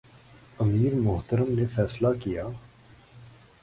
امیر محترم نے فیصلہ کیا